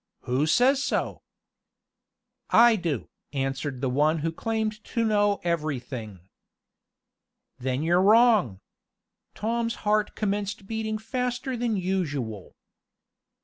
"Who says so?" "I do," answered the one who claimed to know everything. "Then you're wrong!" Tom's heart commenced beating faster than usual.